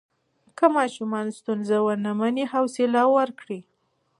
که ماشوم ستونزه ونه مني، حوصله ورکړئ.